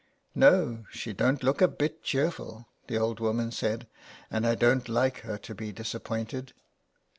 *' No, she don't look a bit cheerful," the old woman said, "and I don't like her to be disappointed."